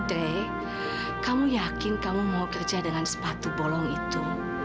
dek kamu yakin kamu mau kerja dengan sepatu bolong itu